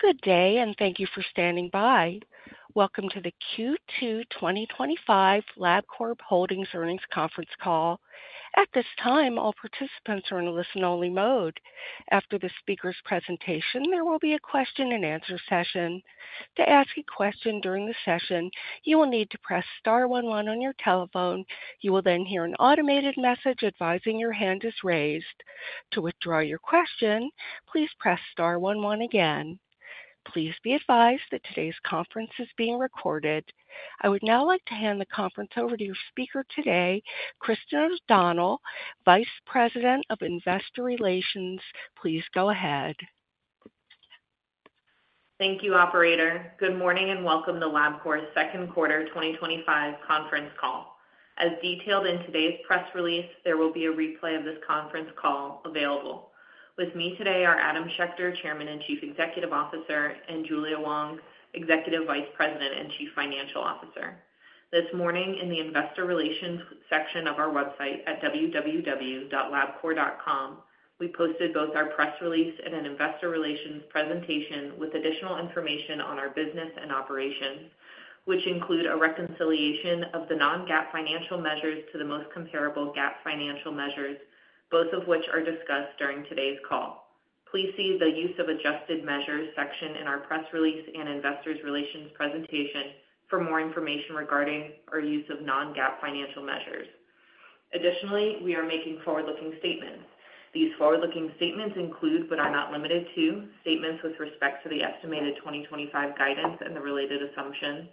Good day, and thank you for standing by. Welcome to the Q2 2025 Labcorp Holdings earnings conference call. At this time, all participants are in listen-only mode. After the speaker's presentation, there will be a question-and-answer session. To ask a question during the session, you will need to press Star one one on your telephone. You will then hear an automated message advising your hand is raised. To withdraw your question, please press Star one one again. Please be advised that today's conference is being recorded. I would now like to hand the conference over to your speaker today, Kristin O’Donnell, Vice President of Investor Relations. Please go ahead. Thank you, Operator. Good morning and welcome to Labcorp's second quarter 2025 conference call. As detailed in today's press release, there will be a replay of this conference call available. With me today are Adam Schechter, Chairman and Chief Executive Officer, and Julia Wang, Executive Vice President and Chief Financial Officer. This morning, in the Investor Relations section of our website at www.labcorp.com, we posted both our press release and an Investor Relations presentation with additional information on our business and operations, which include a reconciliation of the non-GAAP financial measures to the most comparable GAAP financial measures, both of which are discussed during today's call. Please see the use of adjusted measures section in our press release and Investor Relations presentation for more information regarding our use of non-GAAP financial measures. Additionally, we are making forward-looking statements. These forward-looking statements include, but are not limited to, statements with respect to the estimated 2025 guidance and the related assumptions,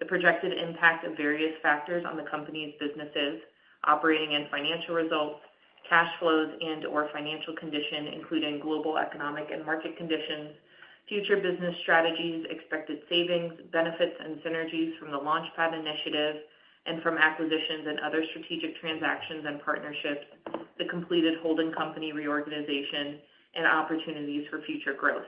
the projected impact of various factors on the company's businesses, operating and financial results, cash flows and/or financial condition, including global economic and market conditions, future business strategies, expected savings, benefits and synergies from the LaunchPad initiative, and from acquisitions and other strategic transactions and partnerships, the completed holding company reorganization, and opportunities for future growth.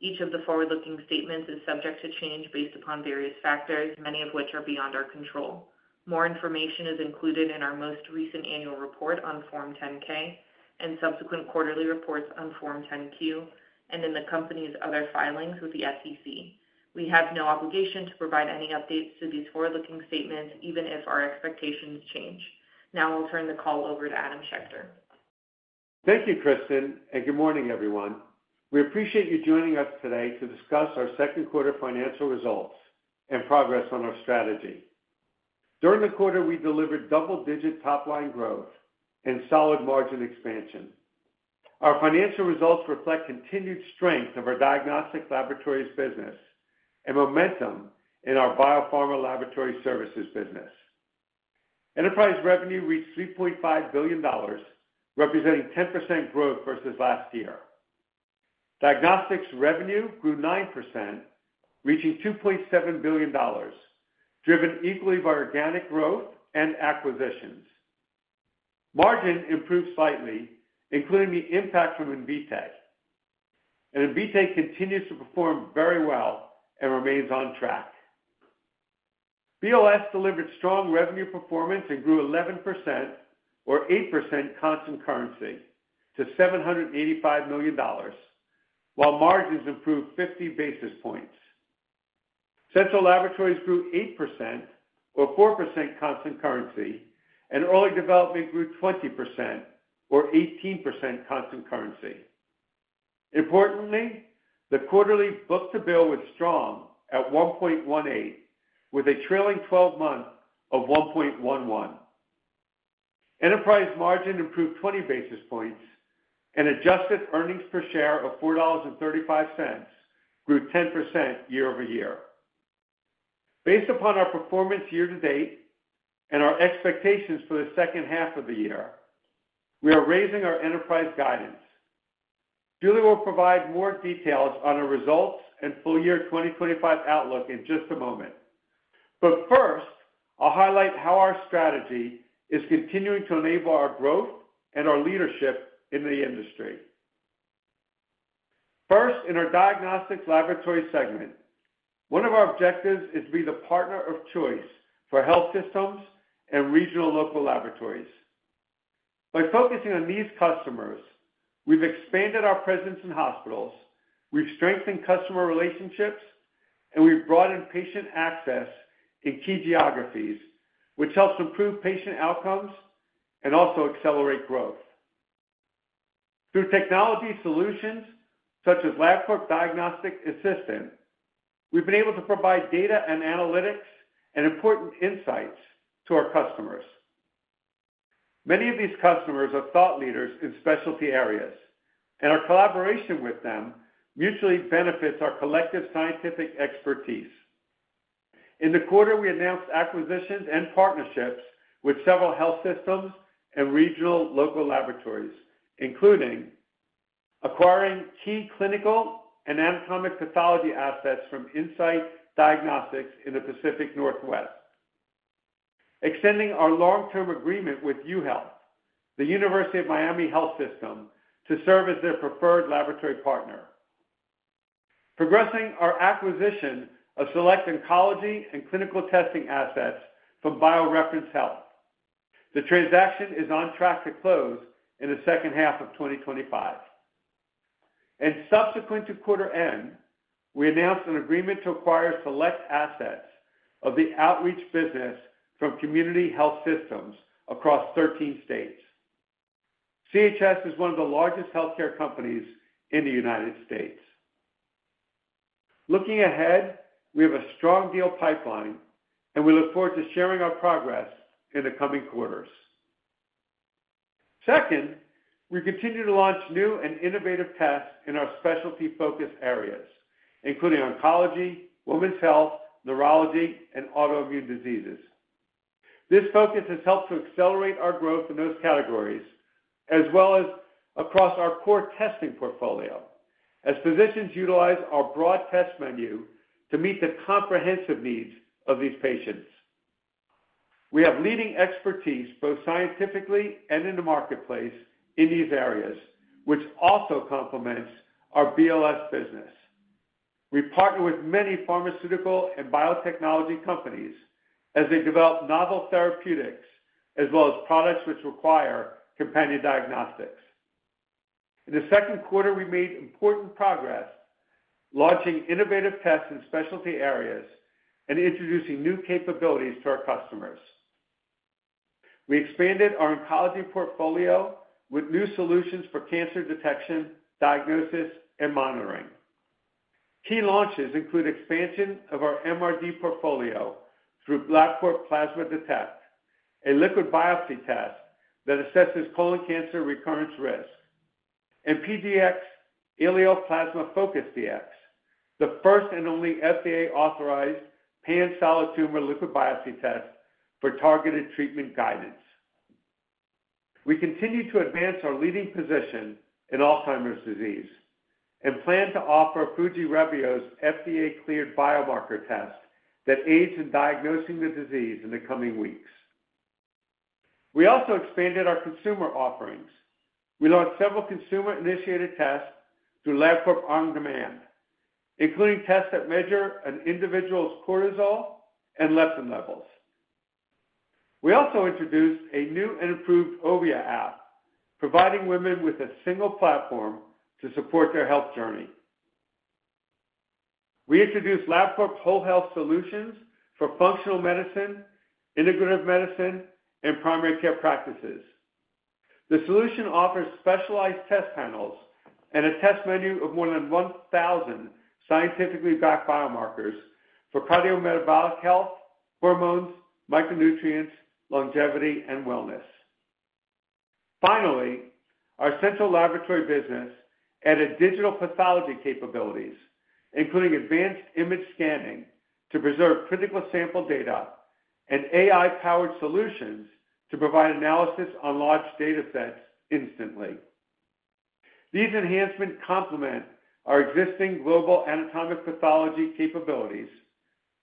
Each of the forward-looking statements is subject to change based upon various factors, many of which are beyond our control. More information is included in our most recent annual report on Form 10-K and subsequent quarterly reports on Form 10-Q and in the company's other filings with the SEC. We have no obligation to provide any updates to these forward-looking statements, even if our expectations change. Now I'll turn the call over to Adam Schechter. Thank you, Kristin, and good morning, everyone. We appreciate you joining us today to discuss our second quarter financial results and progress on our strategy. During the quarter, we delivered double-digit top-line growth and solid margin expansion. Our financial results reflect continued strength of our diagnostic laboratories business and momentum in our biopharma laboratory services business. Enterprise revenue reached $3.5 billion, representing 10% growth versus last year. Diagnostics revenue grew 9%, reaching $2.7 billion, driven equally by organic growth and acquisitions. Margin improved slightly, including the impact from Invitae, and Invitae continues to perform very well and remains on track. BLS delivered strong revenue performance and grew 11%, or 8% constant currency, to $785 million, while margins improved 50 basis points. Central Laboratories grew 8%, or 4% constant currency, and early development grew 20% or 18% constant currency. Importantly, the quarterly book-to-bill was strong at 1.18, with a trailing 12 months of 1.11. Enterprise margin improved 20 basis points, and adjusted earnings per share of $4.35 grew 10% year-over-year. Based upon our performance year to date and our expectations for the second half of the year, we are raising our enterprise guidance. Julia will provide more details on our results and full year 2025 outlook in just a moment. First, I'll highlight how our strategy is continuing to enable our growth and our leadership in the industry. First, in our diagnostics laboratory segment, one of our objectives is to be the partner of choice for health systems and regional local laboratories. By focusing on these customers, we've expanded our presence in hospitals, we've strengthened customer relationships, and we've broadened patient access in key geographies, which helps improve patient outcomes and also accelerate growth. Through technology solutions such as Labcorp Diagnostic Assistant, we've been able to provide data and analytics and important insights to our customers. Many of these customers are thought leaders in specialty areas, and our collaboration with them mutually benefits our collective scientific expertise. In the quarter, we announced acquisitions and partnerships with several health systems and regional local laboratories, including acquiring key clinical and anatomic pathology assets from Insight Diagnostics in the Pacific Northwest, extending our long-term agreement with UHealth, the University of Miami Health System, to serve as their preferred laboratory partner, progressing our acquisition of select oncology and clinical testing assets from BioReference Health. The transaction is on track to close in the second half of 2025. Subsequent to quarter end, we announced an agreement to acquire select assets of the outreach business from Community Health Systems across 13 states. CHS is one of the largest healthcare companies in the United States. Looking ahead, we have a strong deal pipeline, and we look forward to sharing our progress in the coming quarters. Second, we continue to launch new and innovative tests in our specialty focus areas, including oncology, women's health, neurology, and autoimmune diseases. This focus has helped to accelerate our growth in those categories, as well as across our core testing portfolio, as physicians utilize our broad test menu to meet the comprehensive needs of these patients. We have leading expertise both scientifically and in the marketplace in these areas, which also complements our BLS business. We partner with many pharmaceutical and biotechnology companies as they develop novel therapeutics, as well as products which require companion diagnostics. In the second quarter, we made important progress. Launching innovative tests in specialty areas and introducing new capabilities to our customers. We expanded our oncology portfolio with new solutions for cancer detection, diagnosis, and monitoring. Key launches include expansion of our MRD portfolio through Labcorp Plasma Detect, a liquid biopsy test that assesses colon cancer recurrence risk, and PlasmaFocus Dx, the first and only FDA-authorized pan-solid tumor liquid biopsy test for targeted treatment guidance. We continue to advance our leading position in Alzheimer's disease and plan to offer Fujirebio's FDA-cleared biomarker test that aids in diagnosing the disease in the coming weeks. We also expanded our consumer offerings. We launched several consumer-initiated tests through Labcorp OnDemand, including tests that measure an individual's cortisol and leptin levels. We also introduced a new and improved OVIA app, providing women with a single platform to support their health journey. We introduced Labcorp Whole Health Solutions for functional medicine, integrative medicine, and primary care practices. The solution offers specialized test panels and a test menu of more than 1,000 scientifically backed biomarkers for cardiometabolic health, hormones, micronutrients, longevity, and wellness. Finally, our central laboratory business added digital pathology capabilities, including advanced image scanning to preserve critical sample data and AI-powered solutions to provide analysis on large data sets instantly. These enhancements complement our existing global anatomic pathology capabilities,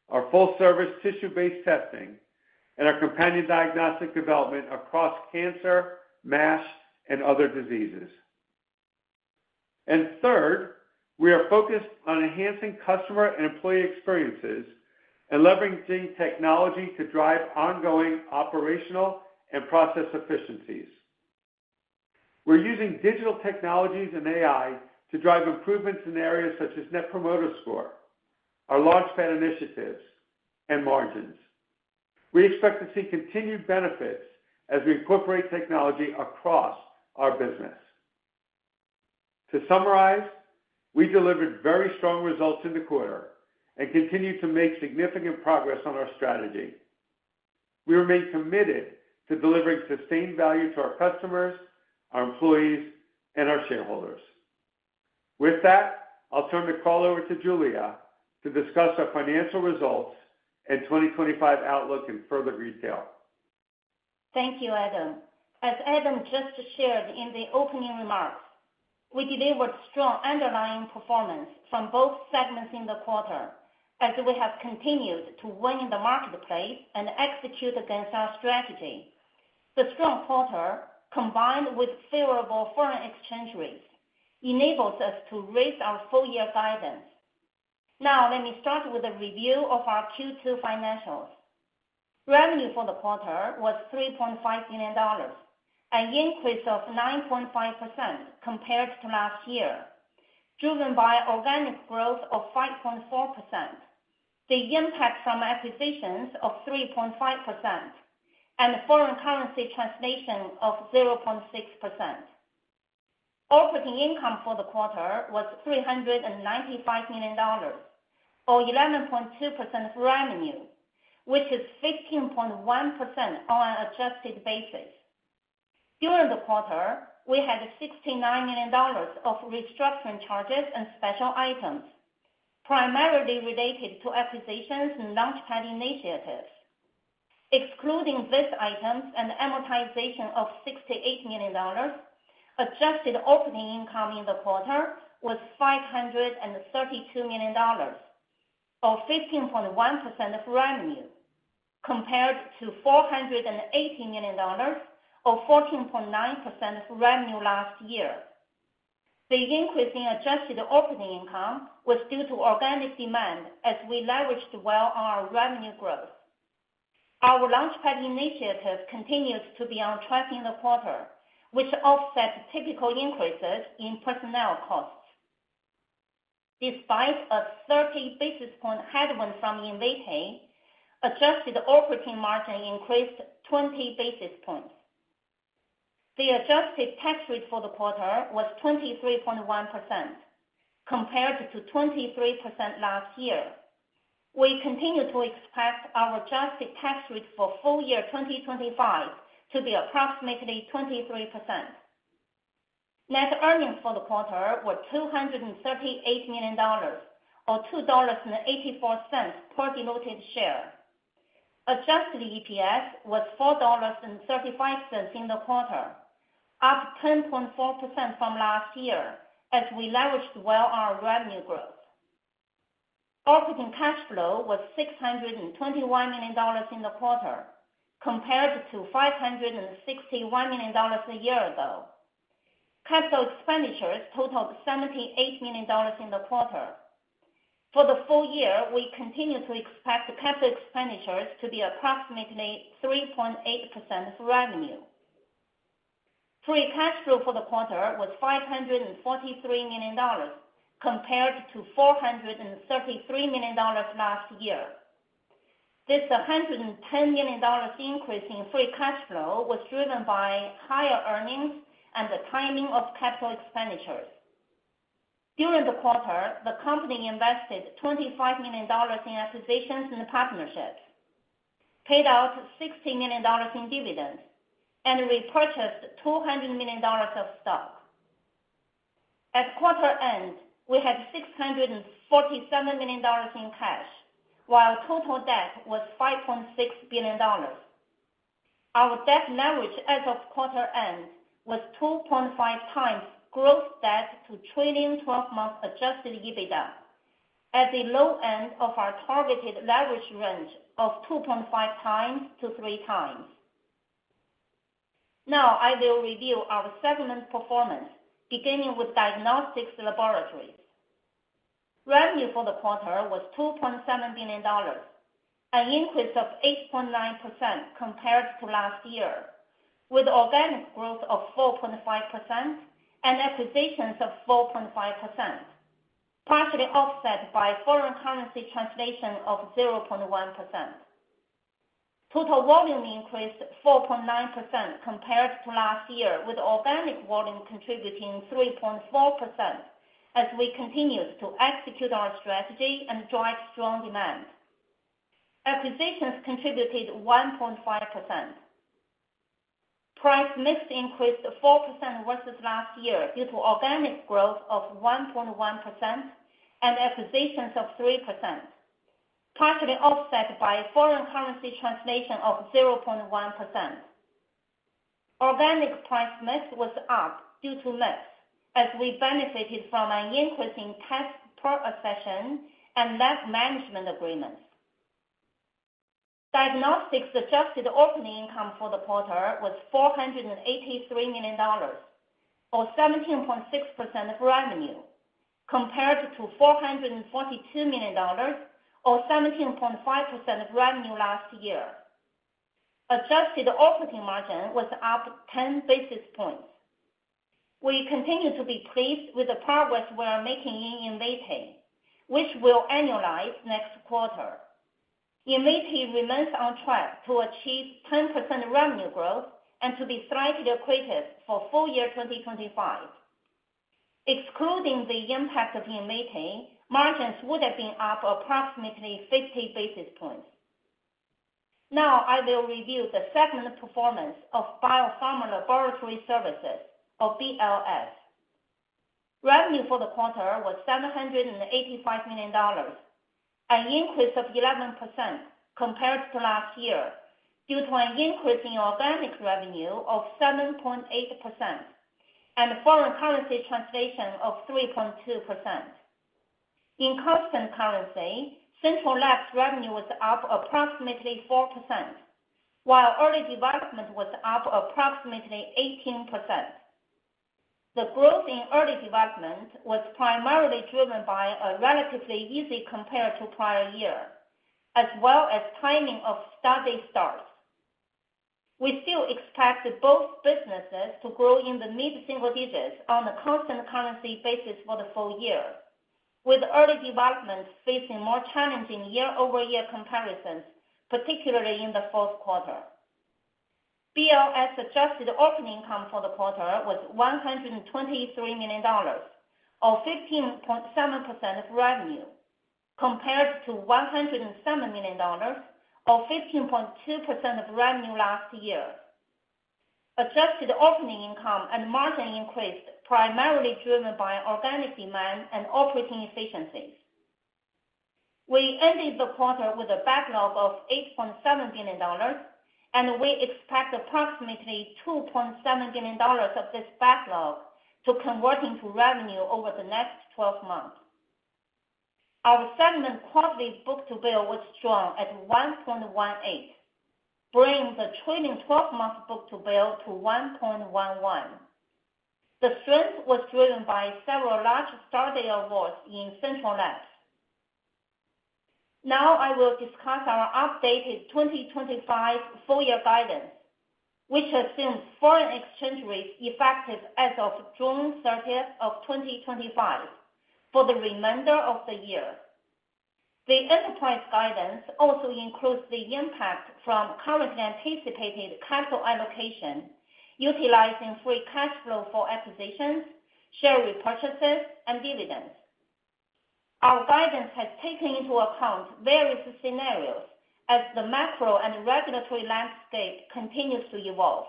our full-service tissue-based testing, and our companion diagnostic development across cancer, MASH, and other diseases. Third, we are focused on enhancing customer and employee experiences and leveraging technology to drive ongoing operational and process efficiencies. We're using digital technologies and AI to drive improvements in areas such as Net Promoter Score, our LaunchPad initiatives, and margins. We expect to see continued benefits as we incorporate technology across our business. To summarize, we delivered very strong results in the quarter and continue to make significant progress on our strategy. We remain committed to delivering sustained value to our customers, our employees, and our shareholders. With that, I'll turn the call over to Julia to discuss our financial results and 2025 outlook in further detail. Thank you, Adam. As Adam just shared in the opening remarks, we delivered strong underlying performance from both segments in the quarter, as we have continued to win in the marketplace and execute against our strategy. The strong quarter, combined with favorable foreign exchange rates, enables us to raise our full-year guidance. Now, let me start with a review of our Q2 financials. Revenue for the quarter was $3.5 billion, an increase of 9.5% compared to last year, driven by organic growth of 5.4%, the impact from acquisitions of 3.5%, and foreign currency translation of 0.6%. Operating income for the quarter was $395 million, or 11.2% of revenue, which is 15.1% on an adjusted basis. During the quarter, we had $69 million of restructuring charges and special items, primarily related to acquisitions and LaunchPad initiatives. Excluding these items and amortization of $68 million, adjusted operating income in the quarter was $532 million, or 15.1% of revenue, compared to $480 million, or 14.9% of revenue last year. The increase in adjusted operating income was due to organic demand, as we leveraged well on our revenue growth. Our LaunchPad initiatives continued to be on track in the quarter, which offset typical increases in personnel costs. Despite a 30 basis point headwind from Invitae, adjusted operating margin increased 20 basis points. The adjusted tax rate for the quarter was 23.1%, compared to 23% last year. We continue to expect our adjusted tax rate for full year 2025 to be approximately 23%. Net earnings for the quarter were $238 million, or $2.84 per diluted share. Adjusted EPS was $4.35 in the quarter, up 10.4% from last year, as we leveraged well our revenue growth. Operating cash flow was $621 million in the quarter, compared to $561 million a year ago. Capital expenditures totaled $78 million in the quarter. For the full year, we continue to expect capital expenditures to be approximately 3.8% of revenue. Free cash flow for the quarter was $543 million, compared to $433 million last year. This $110 million increase in free cash flow was driven by higher earnings and the timing of capital expenditures. During the quarter, the company invested $25 million in acquisitions and partnerships, paid out $60 million in dividends, and repurchased $200 million of stock. At quarter end, we had $647 million in cash, while total debt was $5.6 billion. Our debt leverage as of quarter end was 2.5x gross debt to trailing 12-month adjusted EBITDA, at the low end of our targeted leverage range of 2.5x-3x. Now, I will review our segment performance, beginning with Diagnostics Laboratories. Revenue for the quarter was $2.7 billion, an increase of 8.9% compared to last year, with organic growth of 4.5% and acquisitions of 4.5%, partially offset by foreign currency translation of 0.1%. Total volume increased 4.9% compared to last year, with organic volume contributing 3.4%, as we continued to execute our strategy and drive strong demand. Acquisitions contributed 1.5%. Price mix increased 4% versus last year due to organic growth of 1.1% and acquisitions of 3%, partially offset by foreign currency translation of 0.1%. Organic price mix was up due to mix, as we benefited from an increase in tests per accession and lab management agreements. Diagnostics adjusted operating income for the quarter was $483 million, or 17.6% of revenue, compared to $442 million, or 17.5% of revenue last year. Adjusted operating margin was up 10 basis points. We continue to be pleased with the progress we are making in Invitae, which we will annualize next quarter. Invitae remains on track to achieve 10% revenue growth and to be slightly accretive for full year 2025. Excluding the impact of Invitae, margins would have been up approximately 50 basis points. Now, I will review the segment performance of Bio Pharma Laboratory Services, or BLS. Revenue for the quarter was $785 million, an increase of 11% compared to last year, due to an increase in organic revenue of 7.8% and foreign currency translation of 3.2%. In constant currency, central labs revenue was up approximately 4%, while early development was up approximately 18%. The growth in early development was primarily driven by a relatively easy compare to prior year, as well as timing of study starts. We still expect both businesses to grow in the mid-single digits on a constant currency basis for the full year, with early development facing more challenging year-over-year comparisons, particularly in the fourth quarter. BLS adjusted operating income for the quarter was $123 million, or 15.7% of revenue, compared to $107 million, or 15.2% of revenue last year. Adjusted operating income and margin increased, primarily driven by organic demand and operating efficiencies. We ended the quarter with a backlog of $8.7 billion, and we expect approximately $2.7 billion of this backlog to convert into revenue over the next 12 months. Our segment quarterly book to bill was strong at 1.18, bringing the trailing 12-month book to bill to 1.11. The strength was driven by several large start-day awards in central labs. Now, I will discuss our updated 2025 full-year guidance, which assumes foreign exchange rates effective as of June 30th, 2025, for the remainder of the year. The enterprise guidance also includes the impact from currently anticipated capital allocation, utilizing free cash flow for acquisitions, share repurchases, and dividends. Our guidance has taken into account various scenarios as the macro and regulatory landscape continues to evolve.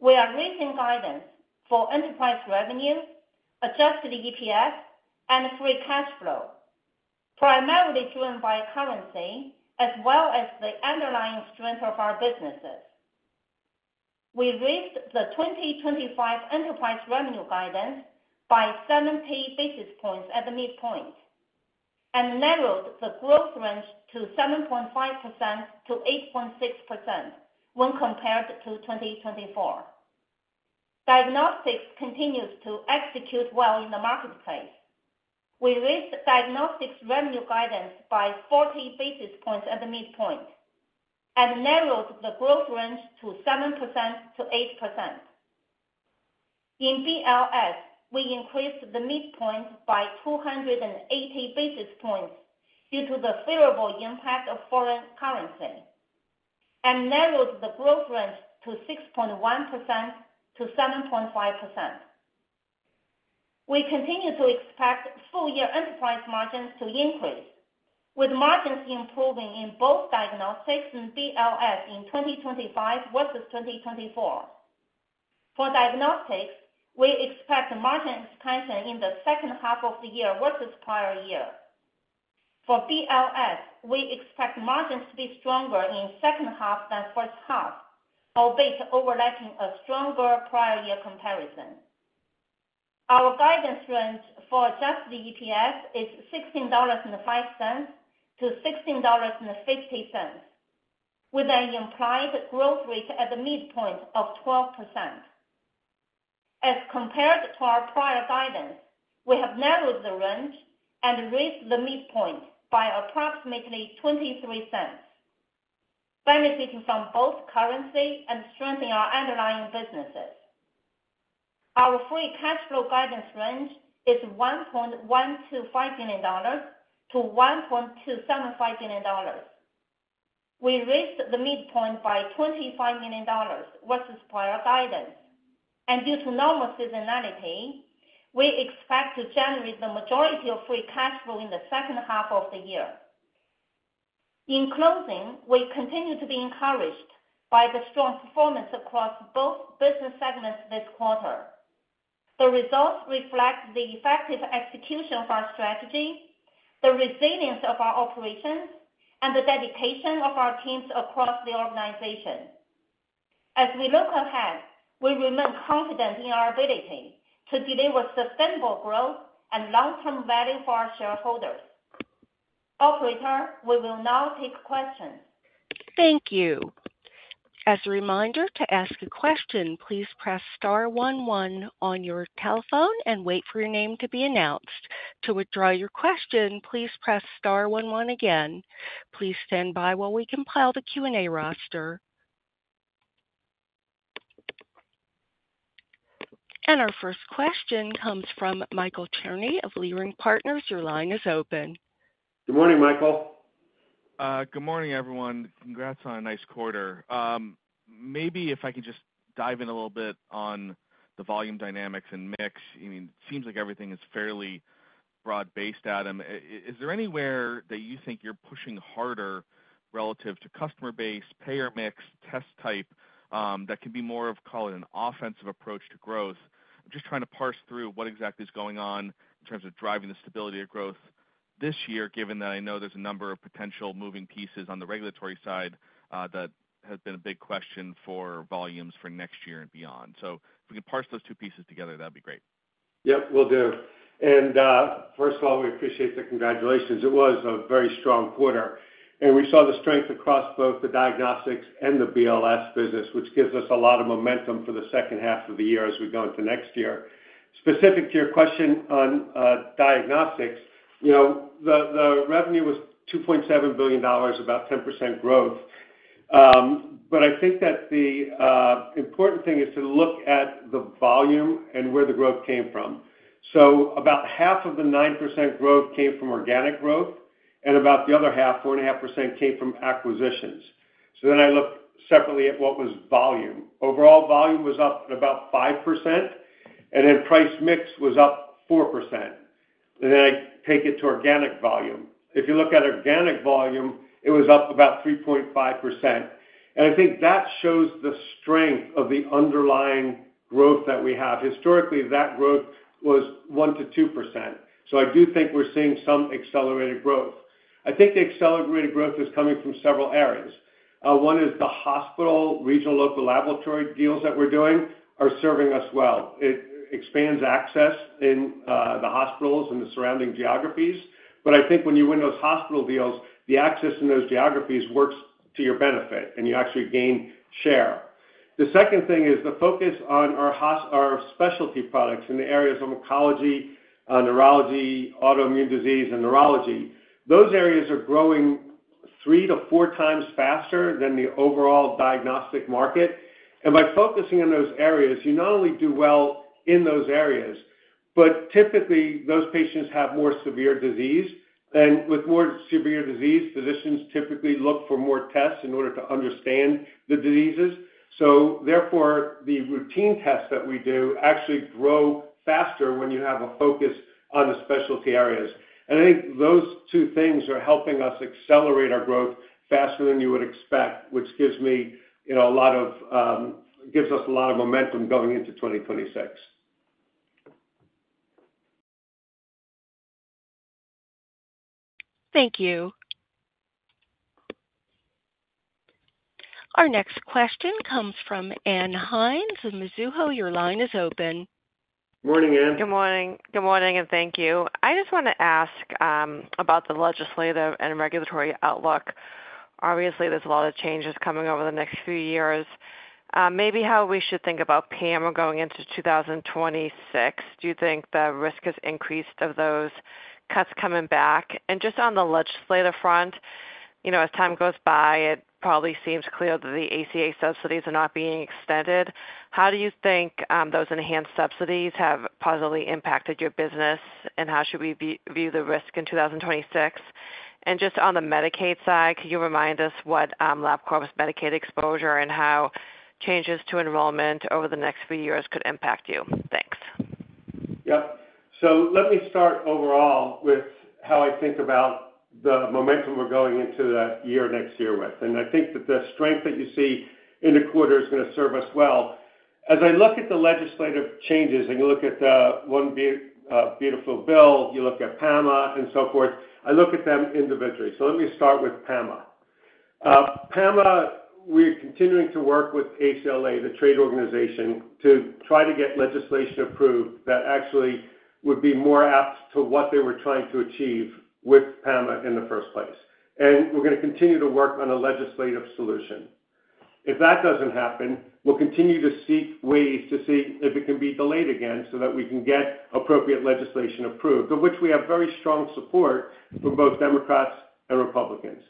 We are raising guidance for enterprise revenue, adjusted EPS, and free cash flow, primarily driven by currency, as well as the underlying strength of our businesses. We raised the 2025 enterprise revenue guidance by 70 basis points at the midpoint and narrowed the growth range to 7.5%-8.6% when compared to 2024. Diagnostics continues to execute well in the marketplace. We raised diagnostics revenue guidance by 40 basis points at the midpoint and narrowed the growth range to 7%-8%. In BLS, we increased the midpoint by 280 basis points due to the favorable impact of foreign currency. We narrowed the growth range to 6.1%-7.5%. We continue to expect full-year enterprise margins to increase, with margins improving in both diagnostics and BLS in 2025 versus 2024. For diagnostics, we expect margin expansion in the second half of the year versus prior year. For BLS, we expect margins to be stronger in second half than first half, albeit overlapping a stronger prior-year comparison. Our guidance range for adjusted EPS is $16.05-$16.50, with an implied growth rate at the midpoint of 12%. As compared to our prior guidance, we have narrowed the range and raised the midpoint by approximately $0.23, benefiting from both currency and strengthening our underlying businesses. Our free cash flow guidance range is $1,125 million-$1,275 million. We raised the midpoint by $25 million versus prior guidance. Due to normal seasonality, we expect to generate the majority of free cash flow in the second half of the year. In closing, we continue to be encouraged by the strong performance across both business segments this quarter. The results reflect the effective execution of our strategy, the resilience of our operations, and the dedication of our teams across the organization. As we look ahead, we remain confident in our ability to deliver sustainable growth and long-term value for our shareholders. Operator, we will now take questions. Thank you. As a reminder, to ask a question, please press star one one on your telephone and wait for your name to be announced. To withdraw your question, please press star one one again. Please stand by while we compile the Q&A roster. Our first question comes from Michael Cherny of Leerink Partners. Your line is open. Good morning, Michael. Good morning, everyone. Congrats on a nice quarter. Maybe if I could just dive in a little bit on the volume dynamics and mix. It seems like everything is fairly broad-based, Adam. Is there anywhere that you think you're pushing harder relative to customer base, payer mix, test type that can be more of, call it an offensive approach to growth? I'm just trying to parse through what exactly is going on in terms of driving the stability of growth this year, given that I know there's a number of potential moving pieces on the regulatory side that have been a big question for volumes for next year and beyond. If we can parse those two pieces together, that'd be great. Yep, will do. First of all, we appreciate the congratulations. It was a very strong quarter. We saw the strength across both the diagnostics and the BLS business, which gives us a lot of momentum for the second half of the year as we go into next year. Specific to your question on diagnostics, the revenue was $2.7 billion, about 10% growth. But I think that the. Important thing is to look at the volume and where the growth came from. About half of the 9% growth came from organic growth, and about the other half, 4.5%, came from acquisitions. I look separately at what was volume. Overall volume was up about 5%. Price mix was up 4%. I take it to organic volume. If you look at organic volume, it was up about 3.5%. I think that shows the strength of the underlying growth that we have. Historically, that growth was 1%-2%. I do think we're seeing some accelerated growth. I think the accelerated growth is coming from several areas. One is the hospital regional local laboratory deals that we're doing are serving us well. It expands access in the hospitals and the surrounding geographies. I think when you win those hospital deals, the access in those geographies works to your benefit, and you actually gain share. The second thing is the focus on our specialty products in the areas of oncology, neurology, autoimmune disease, and neurology. Those areas are growing three to four times faster than the overall diagnostic market. By focusing on those areas, you not only do well in those areas, but typically, those patients have more severe disease. With more severe disease, physicians typically look for more tests in order to understand the diseases. Therefore, the routine tests that we do actually grow faster when you have a focus on the specialty areas. I think those two things are helping us accelerate our growth faster than you would expect, which gives me a lot of. Gives us a lot of momentum going into 2026. Thank you. Our next question comes from Ann Hynes of Mizuho. Your line is open. Good morning, Anne. Good morning. Good morning, and thank you. I just want to ask about the legislative and regulatory outlook. Obviously, there's a lot of changes coming over the next few years. Maybe how we should think about PAM going into 2026. Do you think the risk has increased of those cuts coming back? Just on the legislative front. As time goes by, it probably seems clear that the ACA subsidies are not being extended. How do you think those enhanced subsidies have positively impacted your business, and how should we view the risk in 2026? Just on the Medicaid side, can you remind us what Labcorp's Medicaid exposure and how changes to enrollment over the next few years could impact you? Thanks. Yep. Let me start overall with how I think about the momentum we're going into that year next year with. I think that the strength that you see in the quarter is going to serve us well. As I look at the legislative changes, and you look at one beautiful bill, you look at PAMA and so forth, I look at them individually. Let me start with PAMA. PAMA, we are continuing to work with ACLA, the trade organization, to try to get legislation approved that actually would be more apt to what they were trying to achieve with PAMA in the first place. We are going to continue to work on a legislative solution. If that does not happen, we will continue to seek ways to see if it can be delayed again so that we can get appropriate legislation approved, of which we have very strong support from both Democrats and Republicans.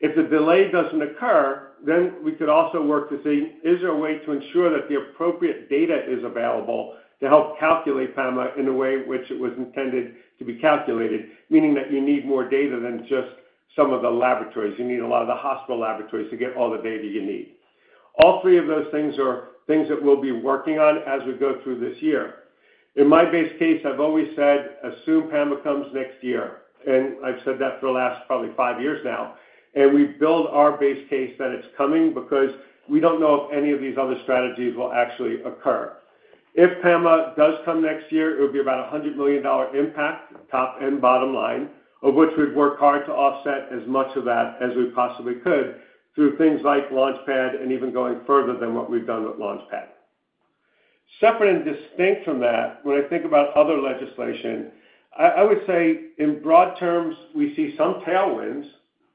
If the delay does not occur, then we could also work to see, is there a way to ensure that the appropriate data is available to help calculate PAMA in the way in which it was intended to be calculated, meaning that you need more data than just some of the laboratories. You need a lot of the hospital laboratories to get all the data you need. All three of those things are things that we will be working on as we go through this year. In my base case, I have always said, assume PAMA comes next year. I have said that for the last probably five years now. We build our base case that it is coming because we do not know if any of these other strategies will actually occur. If PAMA does come next year, it would be about a $100 million impact, top and bottom line, of which we would work hard to offset as much of that as we possibly could through things like LaunchPad and even going further than what we have done with LaunchPad. Separate and distinct from that, when I think about other legislation, I would say, in broad terms, we see some tailwinds,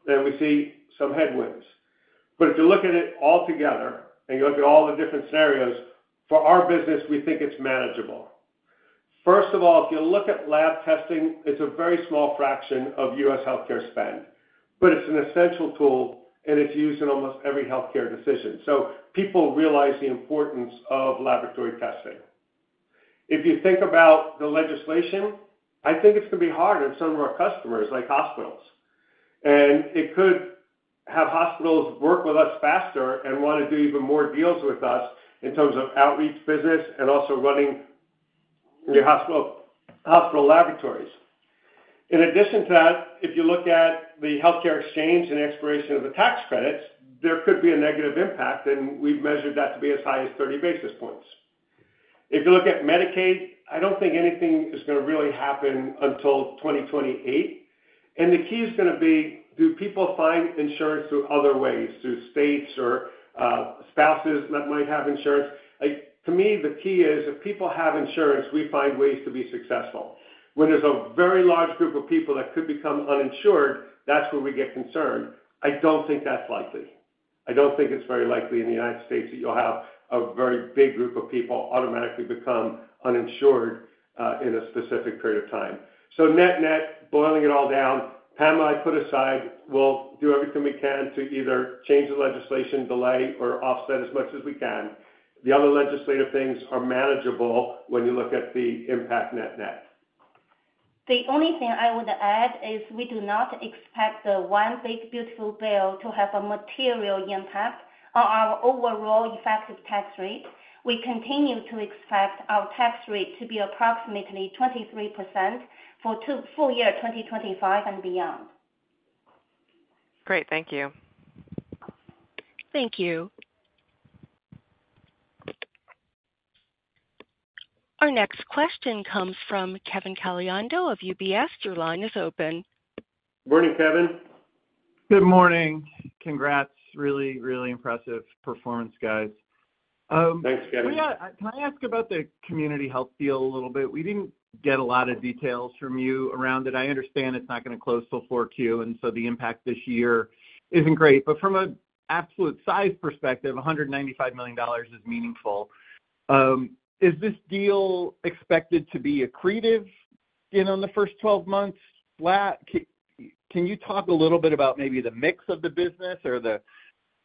and we see some headwinds. If you look at it all together and you look at all the different scenarios, for our business, we think it is manageable. First of all, if you look at lab testing, it is a very small fraction of U.S. healthcare spend. It is an essential tool, and it is used in almost every healthcare decision. People realize the importance of laboratory testing. If you think about the legislation, I think it is going to be hard on some of our customers, like hospitals. It could have hospitals work with us faster and want to do even more deals with us in terms of outreach business and also running your hospital laboratories. In addition to that, if you look at the healthcare exchange and expiration of the tax credits, there could be a negative impact, and we have measured that to be as high as 30 basis points. If you look at Medicaid, I do not think anything is going to really happen until 2028. The key is going to be, do people find insurance through other ways, through states or spouses that might have insurance? To me, the key is, if people have insurance, we find ways to be successful. When there's a very large group of people that could become uninsured, that's where we get concerned. I don't think that's likely. I don't think it's very likely in the U.S. that you'll have a very big group of people automatically become uninsured in a specific period of time. Net-net, boiling it all down, PAMA, I put aside, we'll do everything we can to either change the legislation, delay, or offset as much as we can. The other legislative things are manageable when you look at the impact net-net. The only thing I would add is we do not expect the one big, beautiful bill to have a material impact on our overall effective tax rate. We continue to expect our tax rate to be approximately 23% for full year 2025 and beyond. Great.Thank you. Thank you. Our next question comes from Kevin Caliendo of UBS. Your line is open. Good morning, Kevin. Good morning. Congrats. Really, really impressive performance, guys. Thanks, Kevin. Can I ask about the Community Health Systems deal a little bit? We didn't get a lot of details from you around it. I understand it's not going to close full for Q, and so the impact this year isn't great. From an absolute size perspective, $195 million is meaningful. Is this deal expected to be accretive in the first 12 months? Can you talk a little bit about maybe the mix of the business or the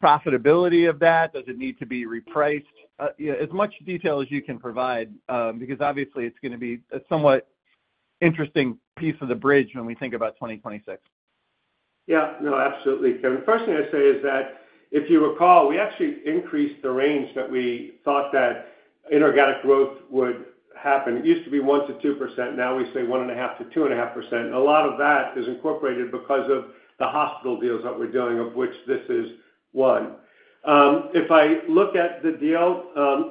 profitability of that? Does it need to be repriced? As much detail as you can provide, because obviously, it's going to be a somewhat interesting piece of the bridge when we think about 2026. Yeah. No, absolutely, Kevin. First thing I'd say is that, if you recall, we actually increased the range that we thought that inorganic growth would happen. It used to be 1%-2%. Now we say 1.5%-2.5%. A lot of that is incorporated because of the hospital deals that we're doing, of which this is one. If I look at the deal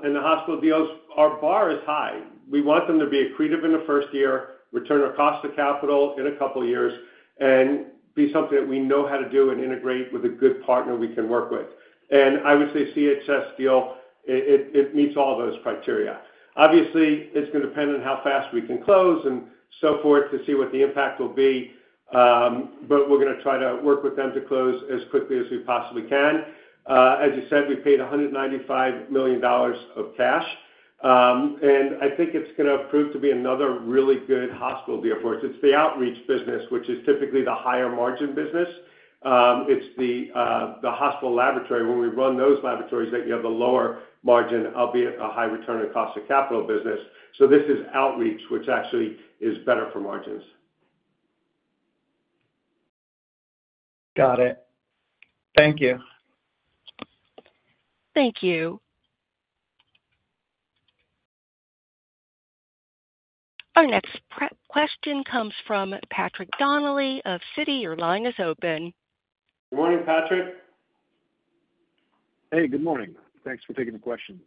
and the hospital deals, our bar is high. We want them to be accretive in the first year, return our cost of capital in a couple of years, and be something that we know how to do and integrate with a good partner we can work with. I would say the CHS deal, it meets all those criteria. Obviously, it's going to depend on how fast we can close and so forth to see what the impact will be. We're going to try to work with them to close as quickly as we possibly can. As you said, we paid $195 million of cash. I think it's going to prove to be another really good hospital deal for us. It's the outreach business, which is typically the higher margin business. It's the hospital laboratory. When we run those laboratories, you have the lower margin, albeit a high return on cost of capital business. So this is outreach, which actually is better for margins. Got it. Thank you. Thank you. Our next question comes from Patrick Donnelly of Citi. Your line is open. Good morning, Patrick. Hey, good morning. Thanks for taking the questions.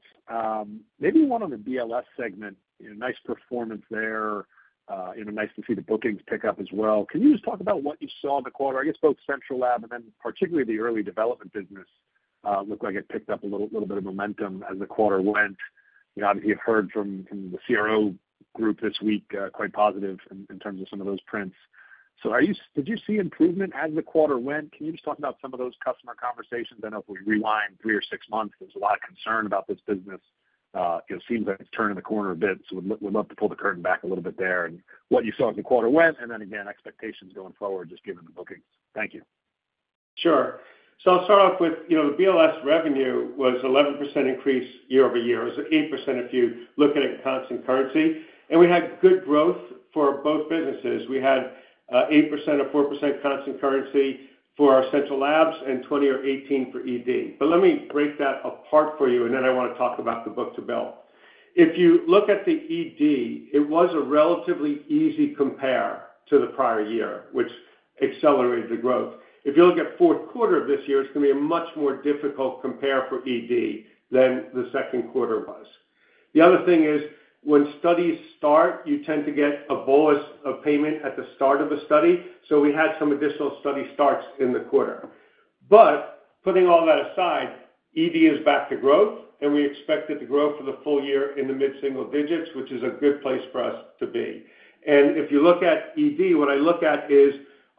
Maybe one on the BLS segment, nice performance there. Nice to see the bookings pick up as well. Can you just talk about what you saw in the quarter? I guess both central lab and then particularly the early development business. Looked like it picked up a little bit of momentum as the quarter went. Obviously, you've heard from the CRO group this week, quite positive in terms of some of those prints. Did you see improvement as the quarter went? Can you just talk about some of those customer conversations? I know if we rewind three or six months, there is a lot of concern about this business. It seems like it's turning the corner a bit. Would love to pull the curtain back a little bit there and what you saw as the quarter went, and then again, expectations going forward, just given the bookings. Thank you. Sure. I'll start off with the BLS revenue was an 11% increase year-over-year. It was 8% if you look at it in constant currency. We had good growth for both businesses. We had 8% or 4% constant currency for our central labs and 20 or 18 for ED. Let me break that apart for you, and then I want to talk about the book to bill. If you look at the ED, it was a relatively easy compare to the prior year, which accelerated the growth. If you look at fourth quarter of this year, it's going to be a much more difficult compare for ED than the second quarter was. The other thing is, when studies start, you tend to get a bolus of payment at the start of a study. We had some additional study starts in the quarter. Putting all that aside, ED is back to growth, and we expect it to grow for the full year in the mid-single digits, which is a good place for us to be. If you look at ED, what I look at is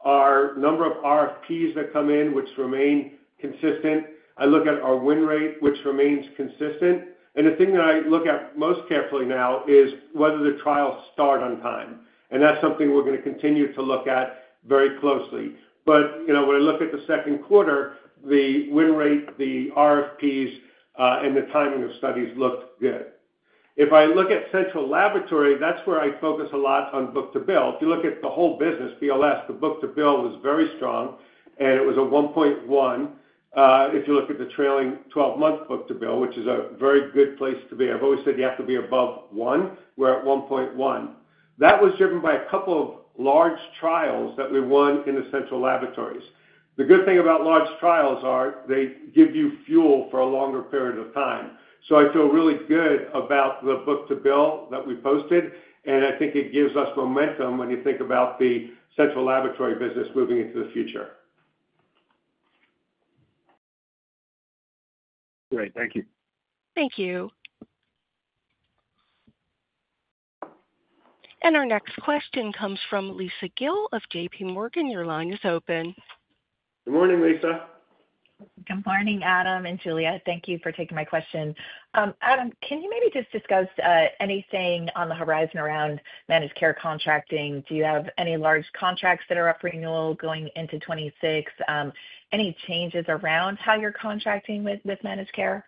our number of RFPs that come in, which remain consistent. I look at our win rate, which remains consistent. The thing that I look at most carefully now is whether the trials start on time. That's something we're going to continue to look at very closely. When I look at the second quarter, the win rate, the RFPs, and the timing of studies looked good. If I look at central laboratory, that's where I focus a lot on book to bill. If you look at the whole business, BLS, the book to bill was very strong, and it was a 1.1. If you look at the trailing 12-month book-to-bill, which is a very good place to be, I've always said you have to be above 1, we're at 1.1. That was driven by a couple of large trials that we won in the central laboratories. The good thing about large trials is they give you fuel for a longer period of time. I feel really good about the book-to-bill that we posted. I think it gives us momentum when you think about the central laboratory business moving into the future. Great. Thank you. Thank you. Our next question comes from Lisa Gill of JPMorgan. Your line is open. Good morning, Lisa. Good morning, Adam and Julia. Thank you for taking my question. Adam, can you maybe just discuss anything on the horizon around managed care contracting? Do you have any large contracts that are up for renewal going into 2026? Any changes around how you're contracting with managed care?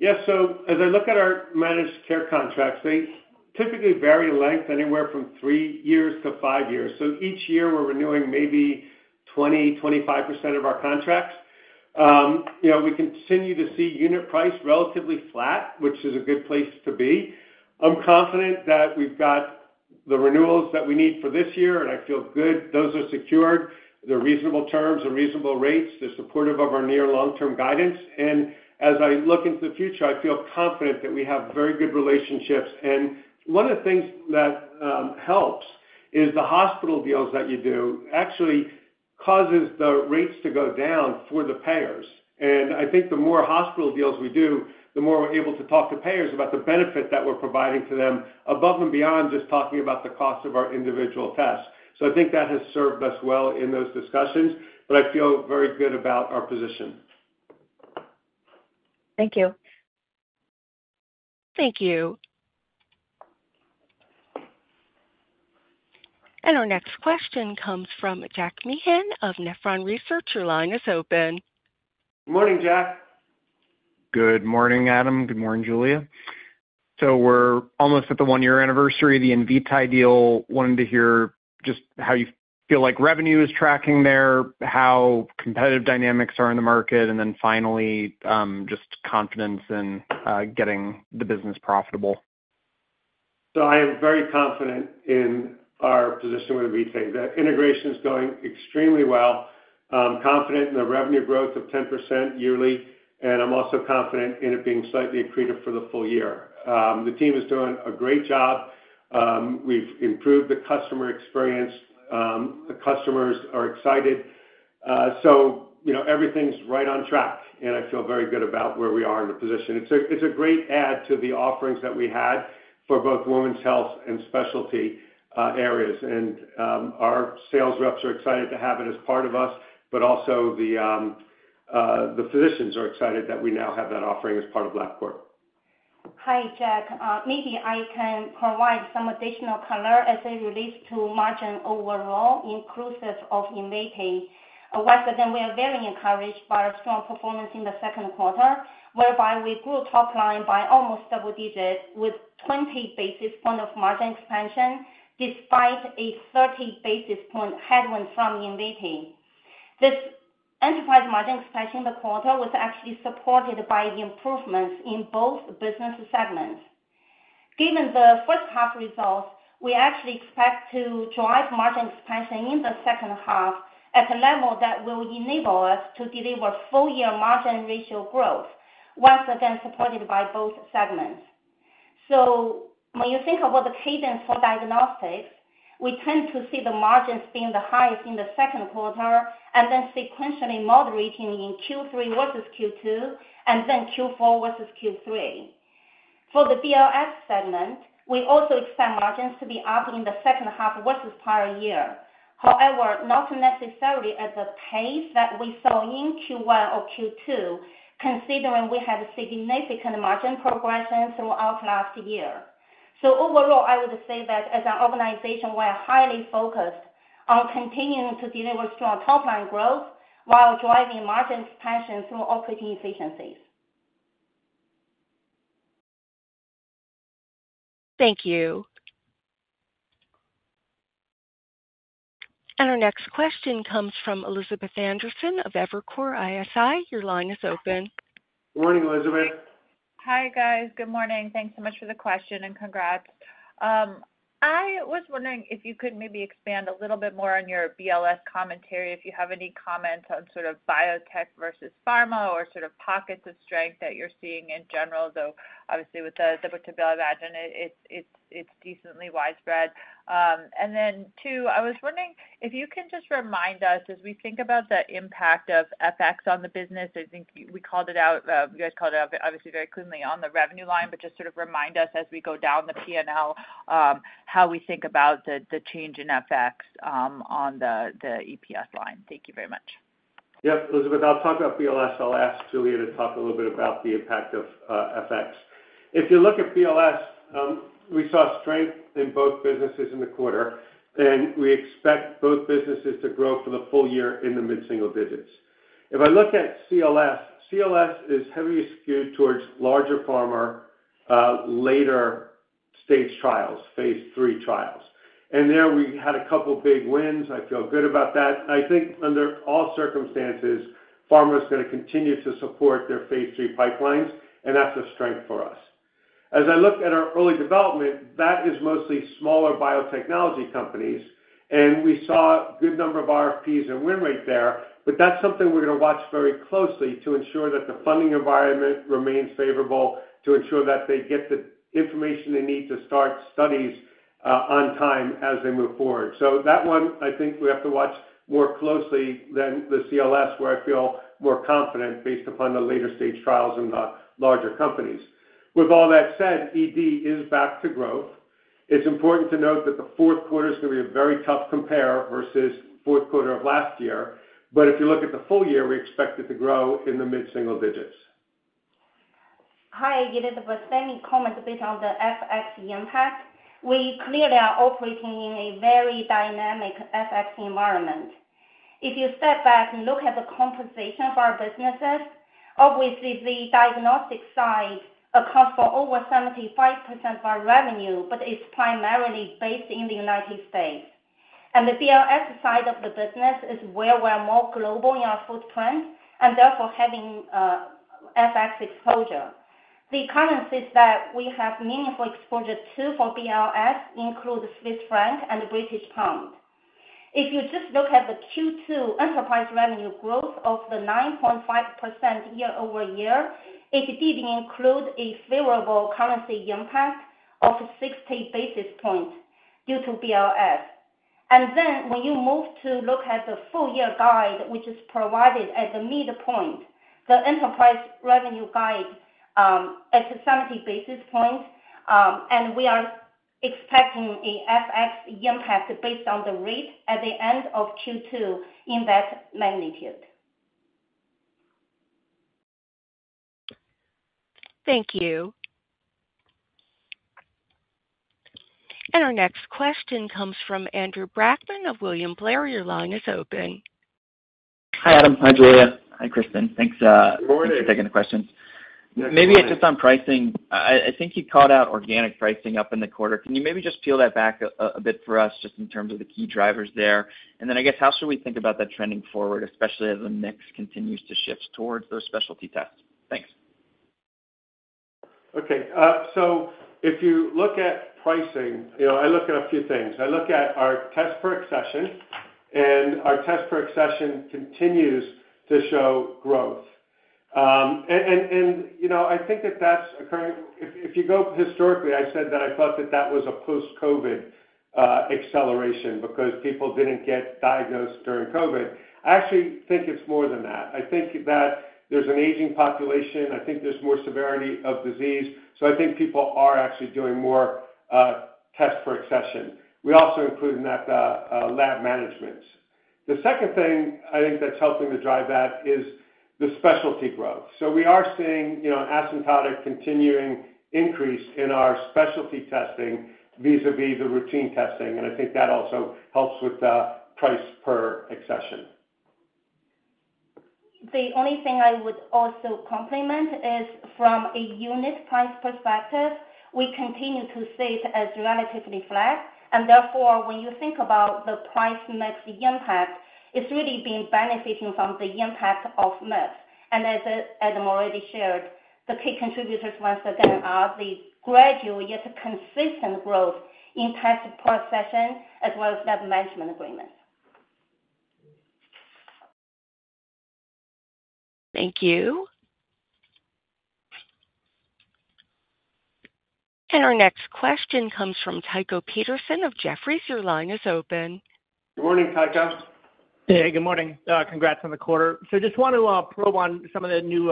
Yes. As I look at our managed care contracts, they typically vary in length anywhere from three years to five years. Each year, we're renewing maybe 20%-25% of our contracts. We continue to see unit price relatively flat, which is a good place to be. I'm confident that we've got the renewals that we need for this year, and I feel good. Those are secured. They're reasonable terms, they're reasonable rates, they're supportive of our near long-term guidance. As I look into the future, I feel confident that we have very good relationships. One of the things that helps is the hospital deals that you do actually cause the rates to go down for the payers. I think the more hospital deals we do, the more we're able to talk to payers about the benefit that we're providing to them above and beyond just talking about the cost of our individual tests. I think that has served us well in those discussions. I feel very good about our position. Thank you. Thank you. Our next question comes from Jack Meehan of Nephron Research. Your line is open. Good morning, Jack. Good morning, Adam. Good morning, Julia. We're almost at the one-year anniversary of the Invitae deal. Wanted to hear just how you feel like revenue is tracking there, how competitive dynamics are in the market, and then finally, just confidence in getting the business profitable. I am very confident in our position with Invitae. The integration is going extremely well. I'm confident in the revenue growth of 10% yearly. I'm also confident in it being slightly accretive for the full year. The team is doing a great job. We've improved the customer experience. The customers are excited. Everything's right on track. I feel very good about where we are in the position. It's a great add to the offerings that we had for both women's health and specialty areas. Our sales reps are excited to have it as part of us, but also the physicians are excited that we now have that offering as part of Labcorp. Hi, Jack. Maybe I can provide some additional color as it relates to margin overall, inclusive of Invitae. Once again, we are very encouraged by our strong performance in the second quarter, whereby we grew top line by almost double digits with 20 basis points of margin expansion despite a 30 basis point headwind from Invitae. This enterprise margin expansion in the quarter was actually supported by improvements in both business segments. Given the first-half results, we actually expect to drive margin expansion in the second half at a level that will enable us to deliver full-year margin ratio growth, once again supported by both segments. When you think about the cadence for diagnostics, we tend to see the margins being the highest in the second quarter and then sequentially moderating in Q3 versus Q2, and then Q4 versus Q3. For the BLS segment, we also expect margins to be up in the second half versus prior year. However, not necessarily at the pace that we saw in Q1 or Q2, considering we had significant margin progression throughout last year. Overall, I would say that as an organization, we are highly focused on continuing to deliver strong top-line growth while driving margin expansion through operating efficiencies. Thank you. Our next question comes from Elizabeth Anderson of Evercore ISI. Your line is open. Good morning, Elizabeth. Hi, guys. Good morning. Thanks so much for the question and congrats. I was wondering if you could maybe expand a little bit more on your BLS commentary, if you have any comments on sort of biotech versus pharma or sort of pockets of strength that you're seeing in general. Obviously, with the book-to-bill, I imagine it's decently widespread. Two, I was wondering if you can just remind us as we think about the impact of FX on the business. I think we called it out. You guys called it out, obviously, very cleanly on the revenue line, but just sort of remind us as we go down the P&L how we think about the change in FX on the EPS line. Thank you very much. Yep.Elizabeth, I'll talk about BLS. I'll ask Julia to talk a little bit about the impact of FX. If you look at BLS, we saw strength in both businesses in the quarter, and we expect both businesses to grow for the full year in the mid-single digits. If I look at CLS, CLS is heavily skewed towards larger pharma. Later stage trials, phase three trials. There, we had a couple of big wins. I feel good about that. I think under all circumstances, pharma is going to continue to support their phase III pipelines, and that's a strength for us. As I look at our early development, that is mostly smaller biotechnology companies. We saw a good number of RFPs and win rates there, but that's something we're going to watch very closely to ensure that the funding environment remains favorable to ensure that they get the information they need to start studies on time as they move forward. That one, I think we have to watch more closely than the CLS, where I feel more confident based upon the later stage trials in the larger companies. With all that said, ED is back to growth. It's important to note that the fourth quarter is going to be a very tough compare versus the fourth quarter of last year. If you look at the full year, we expect it to grow in the mid-single digits. Hi, Elizabeth. Any comments based on the FX impact? We clearly are operating in a very dynamic FX environment. If you step back and look at the composition of our businesses, obviously, the diagnostic side accounts for over 75% of our revenue, but it's primarily based in the United States. The BLS side of the business is well, well more global in our footprint and therefore having FX exposure. The currencies that we have meaningful exposure to for BLS include the Swiss franc and the British pound. If you just look at the Q2 enterprise revenue growth of the 9.5% year-over-year, it did include a favorable currency impact of 60 basis points due to BLS. When you move to look at the full-year guide, which is provided at the midpoint, the enterprise revenue guide at 70 basis points, we are expecting an FX impact based on the rate at the end of Q2 in that magnitude. Thank you. Our next question comes from Andrew Brackman of William Blair. Your line is open. Hi, Adam. Hi, Julia. Hi, Kristin. Thanks. Good morning. Thanks for taking the questions. Maybe just on pricing, I think you called out organic pricing up in the quarter. Can you maybe just peel that back a bit for us just in terms of the key drivers there? I guess, how should we think about that trending forward, especially as the mix continues to shift towards those specialty tests? Thanks. Okay. If you look at pricing, I look at a few things. I look at our test per accession, and our test per accession continues to show growth. I think that that's occurring. If you go historically, I said that I thought that that was a post-COVID acceleration because people didn't get diagnosed during COVID. I actually think it's more than that. I think that there's an aging population. I think there's more severity of disease. I think people are actually doing more test per accession. We also include in that lab managements. The second thing I think that's helping to drive that is the specialty growth. We are seeing an asymptotic continuing increase in our specialty testing vis-à-vis the routine testing. I think that also helps with the price per accession. The only thing I would also compliment is from a unit price perspective, we continue to see it as relatively flat. Therefore, when you think about the price mix impact, it has really been benefiting from the impact of MIPS. As Adam already shared, the key contributors, once again, are the gradual yet consistent growth in test per accession as well as lab management agreements. Thank you. Our next question comes from Tycho Peterson of Jefferies. Your line is open. Good morning, Tycho. Hey, good morning. Congrats on the quarter. I just want to probe on some of the new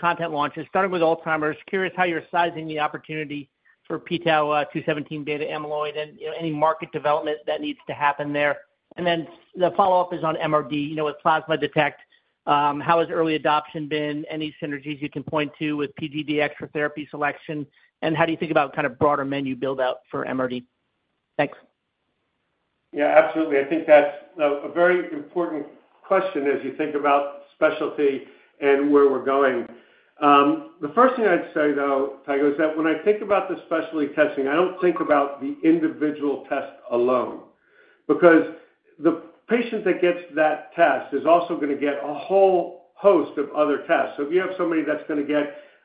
content launches, starting with Alzheimer's. Curious how you're sizing the opportunity for PTau-217 beta amyloid and any market development that needs to happen there. The follow-up is on MRD with Plasma Detect. How has early adoption been? Any synergies you can point to with PGDx therapy selection? How do you think about kind of broader menu build-out for MRD? Thanks. Yeah, absolutely. I think that's a very important question as you think about specialty and where we're going. The first thing I'd say, though, Tycho, is that when I think about the specialty testing, I don't think about the individual test alone because the patient that gets that test is also going to get a whole host of other tests. If you have somebody that's going to get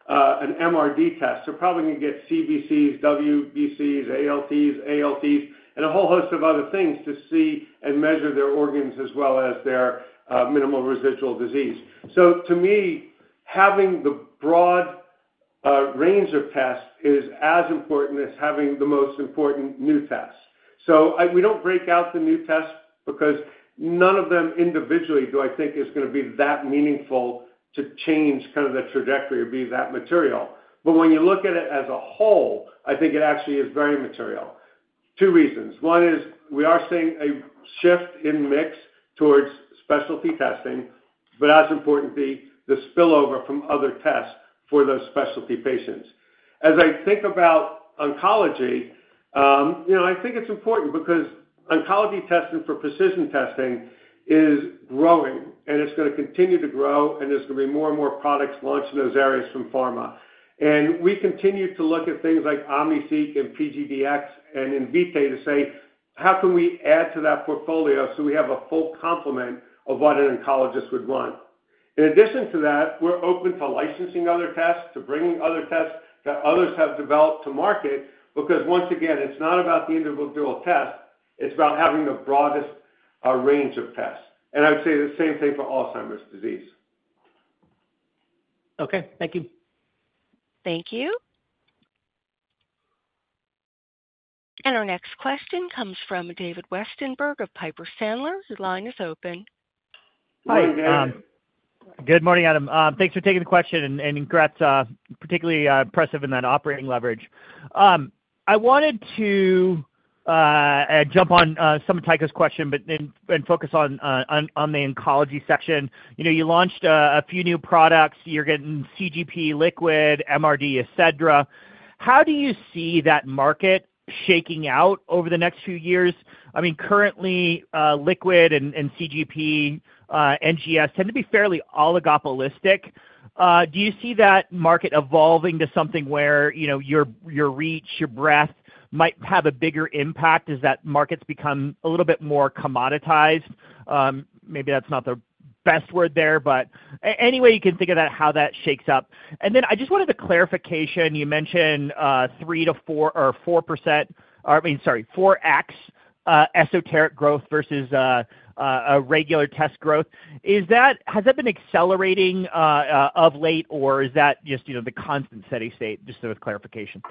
an MRD test, they're probably going to get CBCs, WBCs, ALTs, and a whole host of other things to see and measure their organs as well as their minimal residual disease. To me, having the broad range of tests is as important as having the most important new tests. We do not break out the new tests because none of them individually, do I think, is going to be that meaningful to change the trajectory or be that material. When you look at it as a whole, I think it actually is very material. Two reasons. One is we are seeing a shift in mix towards specialty testing, but as importantly, the spillover from other tests for those specialty patients. As I think about oncology, I think it's important because oncology testing for precision testing is growing, and it's going to continue to grow, and there are going to be more and more products launched in those areas from pharma. We continue to look at things like OmniSeq and PGDx and Invitae to say, "How can we add to that portfolio so we have a full complement of what an oncologist would want?" In addition to that, we're open to licensing other tests, to bringing other tests that others have developed to market because, once again, it's not about the individual test. It's about having the broadest range of tests. I would say the same thing for Alzheimer's disease. Okay. Thank you. Thank you. Our next question comes from David Westenberg of Piper Sandler.His line is open. Hi, David. Good morning, Adam. Thanks for taking the question and congrats. Particularly impressive in that operating leverage. I wanted to jump on some of Tycho's questions and focus on the oncology section. You launched a few new products. You're getting CGP liquid, MRD, etc. How do you see that market shaking out over the next few years? I mean, currently, liquid and CGP NGS tend to be fairly oligopolistic. Do you see that market evolving to something where your reach, your breadth might have a bigger impact as that market becomes a little bit more commoditized? Maybe that's not the best word there, but any way you can think of that, how that shakes up. I just wanted a clarification. You mentioned 3%-4% or 4%, or I mean, sorry, 4X esoteric growth versus a regular test growth. Has that been accelerating of late, or is that just the constant steady state? Just a clarification.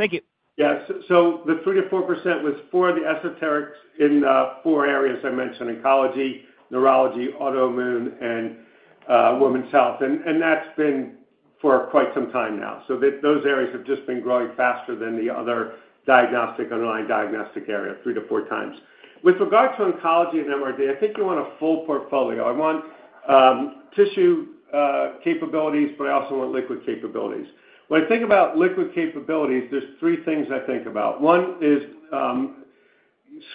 Yeah.The 3%-4% was for the esoterics in the four areas I mentioned: oncology, neurology, autoimmune, and women's health. That's been for quite some time now. Those areas have just been growing faster than the other underlying diagnostic area, three to four times. With regard to oncology and MRD, I think you want a full portfolio. I want tissue capabilities, but I also want liquid capabilities. When I think about liquid capabilities, there are three things I think about. One is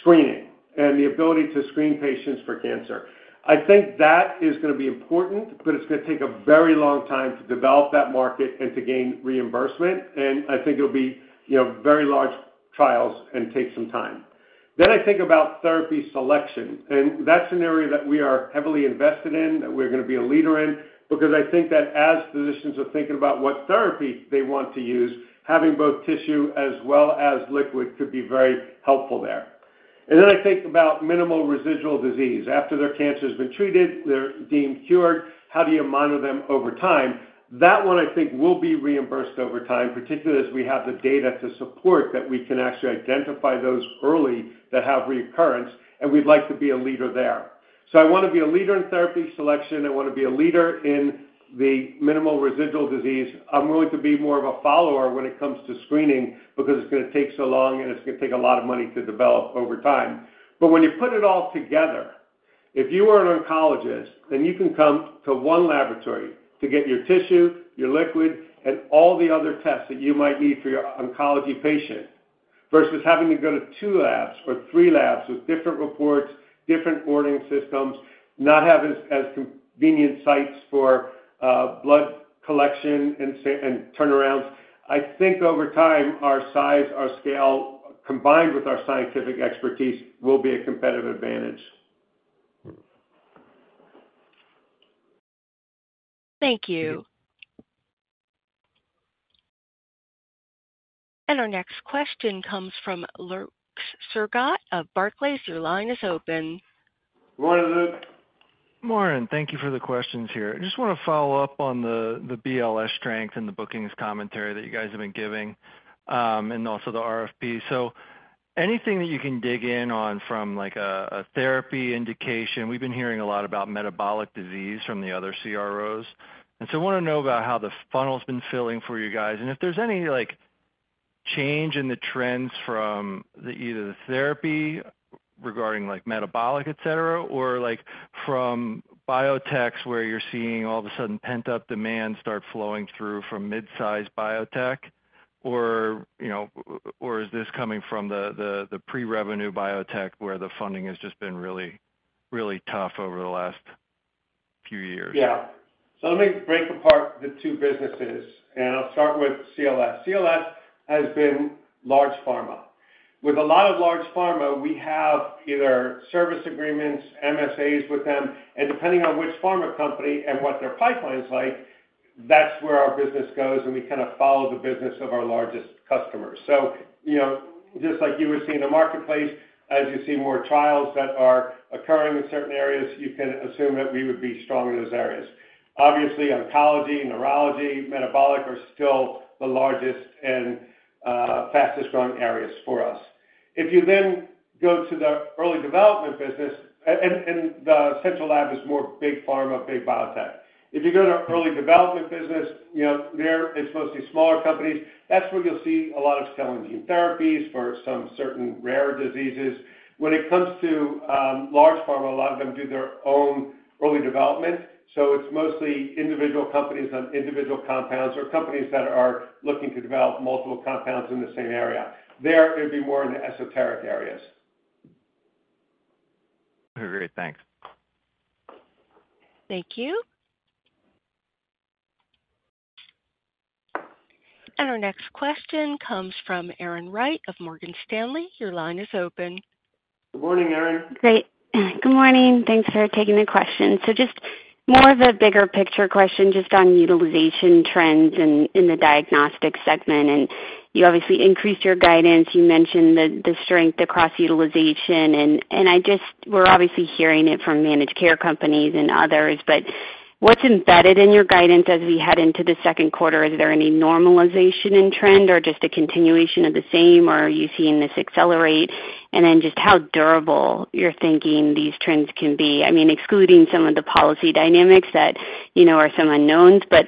screening and the ability to screen patients for cancer. I think that is going to be important, but it's going to take a very long time to develop that market and to gain reimbursement. I think it will be very large trials and take some time. Then I think about therapy selection. That's an area that we are heavily invested in, that we're going to be a leader in, because I think that as physicians are thinking about what therapy they want to use, having both tissue as well as liquid could be very helpful there. Then I think about minimal residual disease. After their cancer has been treated, they're deemed cured. How do you monitor them over time? That one, I think, will be reimbursed over time, particularly as we have the data to support that we can actually identify those early that have recurrence, and we'd like to be a leader there. I want to be a leader in therapy selection. I want to be a leader in minimal residual disease. I'm willing to be more of a follower when it comes to screening because it's going to take so long, and it's going to take a lot of money to develop over time. But when you put it all together, if you are an oncologist, then you can come to one laboratory to get your tissue, your liquid, and all the other tests that you might need for your oncology patient versus having to go to two labs or three labs with different reports, different boarding systems, not have as convenient sites for blood collection and turnarounds. I think over time, our size, our scale, combined with our scientific expertise, will be a competitive advantage. Thank you. And our next question comes from Luke Sergott of Barclays. Your line is open. Good morning, Luke. Good morning. Thank you for the questions here. I just want to follow up on the BLS strength and the bookings commentary that you guys have been giving. And also the RFP. So anything that you can dig in on from a therapy indication? We've been hearing a lot about metabolic disease from the other CROs. And so I want to know about how the funnel's been filling for you guys. And if there's any change in the trends from either the therapy regarding metabolic, etc., or from biotechs where you're seeing all of a sudden pent-up demand start flowing through from mid-size biotech, or is this coming from the pre-revenue biotech where the funding has just been really, really tough over the last few years? Yeah. So let me break apart the two businesses, and I'll start with CLS. CLS has been large pharma. With a lot of large pharma, we have either service agreements, MSAs with them. And depending on which pharma company and what their pipeline's like, that's where our business goes, and we kind of follow the business of our largest customers. Just like you would see in a marketplace, as you see more trials that are occurring in certain areas, you can assume that we would be strong in those areas. Obviously, oncology, neurology, metabolic are still the largest and fastest-growing areas for us. If you then go to the early development business. And the central lab is more big pharma, big biotech. If you go to early development business. There it's mostly smaller companies. That's where you'll see a lot of telangine therapies for some certain rare diseases. When it comes to large pharma, a lot of them do their own early development. So it's mostly individual companies on individual compounds or companies that are looking to develop multiple compounds in the same area. There, it'd be more in the esoteric areas. Great. Thanks. Thank you. And our next question comes from Erin Wright of Morgan Stanley.Your line is open. Good morning, Erin. Great. Good morning. Thanks for taking the question. So just more of a bigger picture question just on utilization trends in the diagnostic segment. And you obviously increased your guidance. You mentioned the strength across utilization. And we're obviously hearing it from managed care companies and others. But what's embedded in your guidance as we head into the second quarter? Is there any normalization in trend or just a continuation of the same, or are you seeing this accelerate? And then just how durable you're thinking these trends can be. I mean, excluding some of the policy dynamics that are some unknowns, but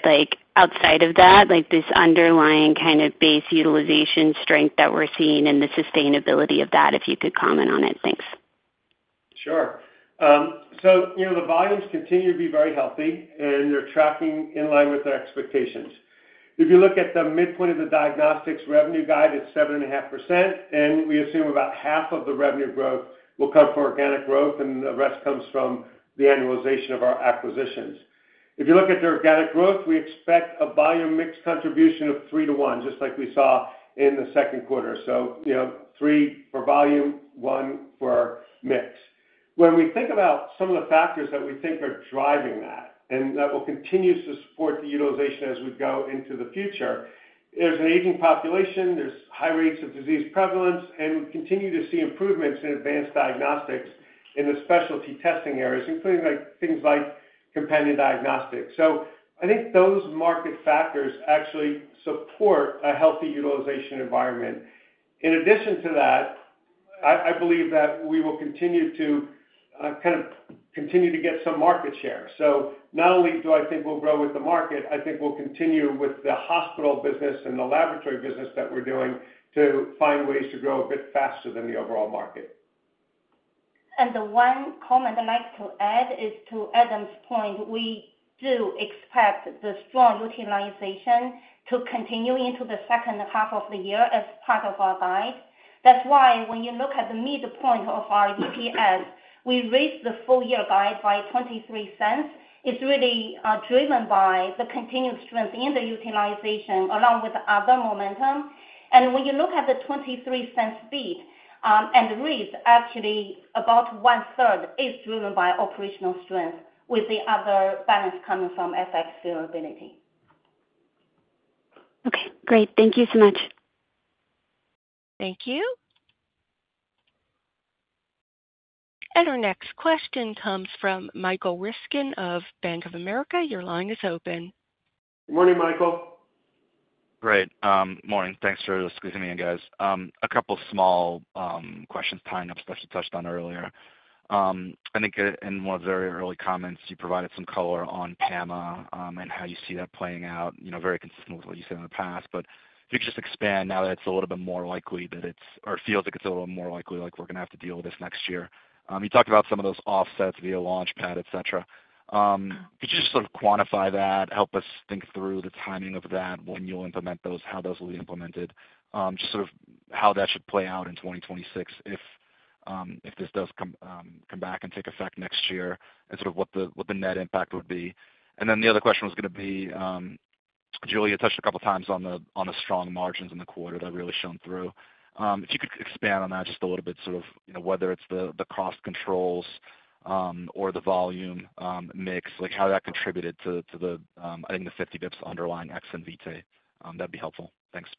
outside of that, this underlying kind of base utilization strength that we're seeing and the sustainability of that, if you could comment on it. Thanks. Sure. So the volumes continue to be very healthy, and they're tracking in line with our expectations. If you look at the midpoint of the diagnostics revenue guide, it's 7.5%. And we assume about half of the revenue growth will come from organic growth, and the rest comes from the annualization of our acquisitions. If you look at the organic growth, we e xpect a volume mix contribution of 3 to 1, just like we saw in the second quarter. So, 3 for volume, 1 for mix. When we think about some of the factors that we think are driving that, and that will continue to support the utilization as we go into the future, there's an aging population, there's high rates of disease prevalence, and we continue to see improvements in advanced diagnostics in the specialty testing areas, including things like companion diagnostics. I think those market factors actually support a healthy utilization environment. In addition to that, I believe that we will continue to kind of continue to get some market share. Not only do I think we'll grow with the market, I think we'll continue with the hospital business and the laboratory business that we're doing to find ways to grow a bit faster than the overall market. The one comment I'd like to add is to Adam's point. We do expect the strong utilization to continue into the second half of the year as part of our guide. That's why when you look at the midpoint of our EPS, we raised the full-year guide by $0.23. It's really driven by the continued strength in the utilization along with other momentum. When you look at the $0.23 speed and the rate, actually about one-third is driven by operational strength with the other balance coming from FX variability. Okay. Great. Thank you so much. Thank you. And our next question comes from Michael Ryskin of Bank of America. Your line is open. Good morning, Michael. Great. Morning. Thanks for excusing me, guys. A couple of small questions tying up stuff you touched on earlier. I think in one of the very early comments, you provided some color on PAMA and how you see that playing out, very consistent with what you said in the past. If you could just expand now that it's a little bit more likely that it's or feels like it's a little more likely we're going to have to deal with this next year. You talked about some of those offsets via LaunchPad, etc. Could you just sort of quantify that, help us think through the timing of that, when you'll implement those, how those will be implemented, just sort of how that should play out in 2026 if this does come back and take effect next year and sort of what the net impact would be? And then the other question was going to be, Julia touched a couple of times on the strong margins in the quarter that really shone through. If you could expand on that just a little bit, sort of whether it's the cost controls or the volume mix, how that contributed to the, I think, the 50 basis points underlying X and VTEI. That'd be helpful. Thanks.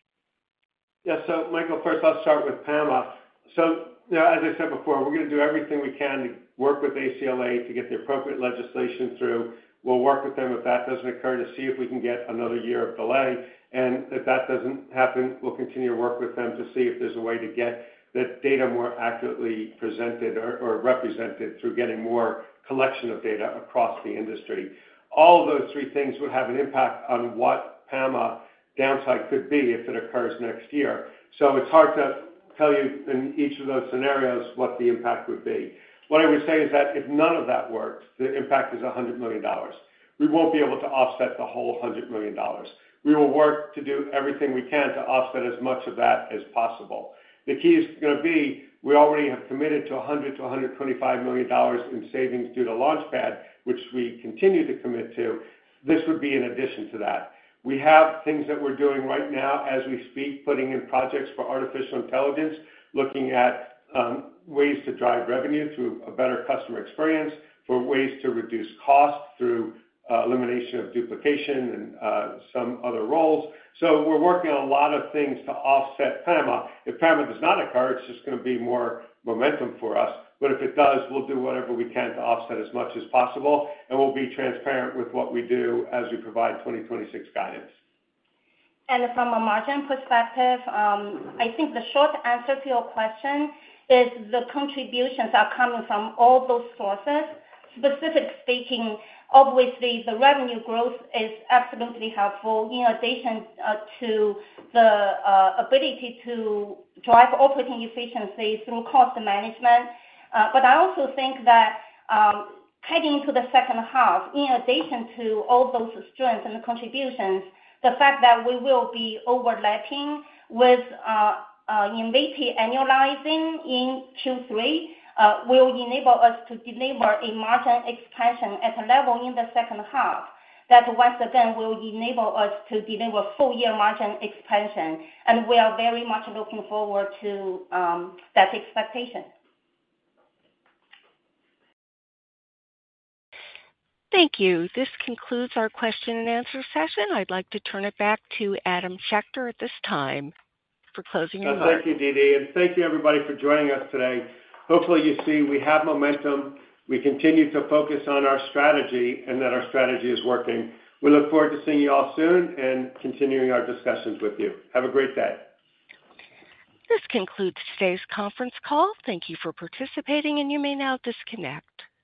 Yeah. So, Michael, first, I'll start with PAMA. As I said before, we're going to do everything we can to work with ACLA to get the appropriate legislation through. We'll work with them if that doesn't occur to see if we can get another year of delay. If that doesn't happen, we'll continue to work with them to see if there's a way to get the data more accurately presented or represented through getting more collection of data across the industry. All of those three things would have an impact on what PAMA downside could be if it occurs next year. It's hard to tell you in each of those scenarios what the impact would be. What I would say is that if none of that works, the impact is $100 million. We won't be able to offset the whole $100 million. We will work to do everything we can to offset as much of that as possible. The key is going to be we already have committed to $100 million-$125 million in savings due to LaunchPad, which we continue to commit to. This would be in addition to that. We have things that we're doing right now as we speak, putting in projects for artificial intelligence, looking at ways to drive revenue through a better customer experience, for ways to reduce cost through elimination of duplication and some other roles. We're working on a lot of things to offset PAMA. If PAMA does not occur, it's just going to be more momentum for us. If it does, we'll do whatever we can to offset as much as possible. We'll be transparent with what we do as we provide 2026 guidance. From a margin perspective, I think the short answer to your question is the contributions are coming from all those sources. Specifically speaking, obviously, the revenue growth is absolutely helpful in addition to the ability to drive operating efficiency through cost management. I also think that heading into the second half, in addition to all those strengths and the contributions, the fact that we will be overlapping with. Invitae annualizing in Q3 will enable us to deliver a margin expansion at a level in the second half that, once again, will enable us to deliver full-year margin expansion. We are very much looking forward to that expectation. Thank you. This concludes our question and answer session. I'd like to turn it back to Adam Schechter at this time for closing remarks. Thank you, DeeDee. Thank you, everybody, for joining us today. Hopefully, you see we have momentum. We continue to focus on our strategy and that our strategy is working. We look forward to seeing you all soon and continuing our discussions with you. Have a great day. This concludes today's conference call. Thank you for participating, and you may now disconnect.